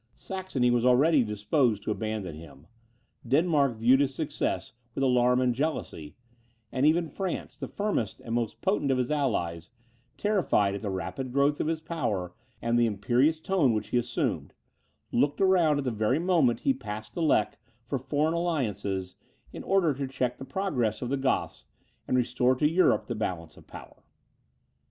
Saxony was already disposed to abandon him, Denmark viewed his success with alarm and jealousy; and even France, the firmest and most potent of his allies, terrified at the rapid growth of his power and the imperious tone which he assumed, looked around at the very moment he past the Lech, for foreign alliances, in order to check the progress of the Goths, and restore to Europe the balance of power.